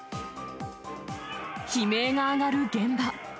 悲鳴が上がる現場。